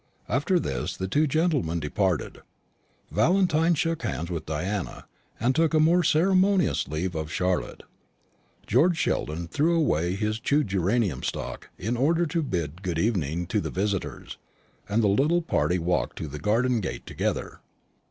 After this the two gentlemen departed. Valentine shook hands with Diana, and took a more ceremonious leave of Charlotte. George Sheldon threw away his chewed geranium stalk in order to bid good evening to the visitors; and the little party walked to the garden gate together.